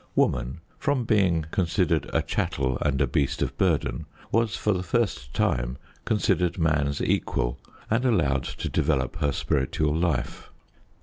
Woman, from being considered a chattel and a beast of burden, was for the first time considered man's equal, and allowed to develop her spiritual life.